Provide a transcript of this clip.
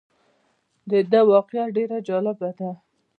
دده واقعه ډېره جالبه ده.